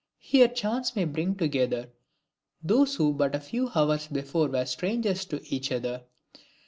Here chance may bring together those who but a few hours before were strangers to each other.